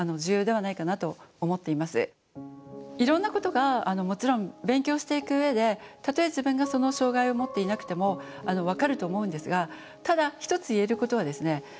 いろんなことがもちろん勉強していく上でたとえ自分がその障害をもっていなくても分かると思うんですがただ一つ言えることはですね